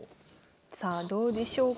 さあどうでしょうか。